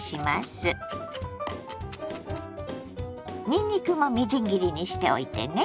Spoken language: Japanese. にんにくもみじん切りにしておいてね。